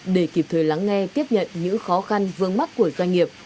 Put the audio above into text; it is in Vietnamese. để kịp thời lắng nghe tiếp nhận những khó khăn vương mắc của doanh nghiệp